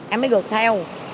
em mới gược theo